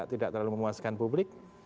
tidak terlalu memuaskan publik